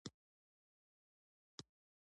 او ان ډېر ویټامین سي مصرف هم ستاسې